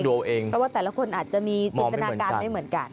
เพราะว่าแต่ละคนอาจจะมีจินตนาการไม่เหมือนกัน